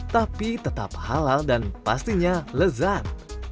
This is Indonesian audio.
tapi tetap halal dan pastinya lezat